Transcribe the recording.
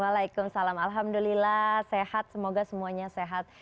waalaikumsalam alhamdulillah sehat semoga semuanya sehat